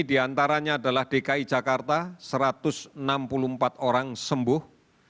di antaranya adalah dki jakarta satu ratus enam puluh empat orang sembuh